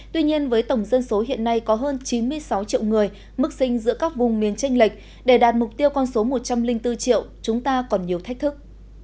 tuy nhiên với tổng dân số hiện nay có hơn chín mươi sáu triệu người mức sinh giữa các vùng miền tranh lệch để đạt mục tiêu con số một trăm linh bốn triệu chúng ta còn nhiều thách thức